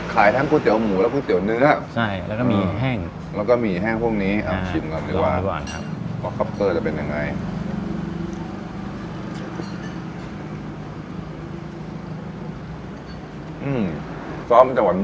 ขายทั้งก๋วยเจ๋วหมูแล้วก๋วยเจ๋วเนี้ยใช่แล้วก็มีแห้งแล้วก็มีแห้งพวกนี้